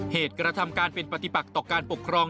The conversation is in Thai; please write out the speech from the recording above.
เหตุกระทำการเป็นปฏิปักต่อการปกครอง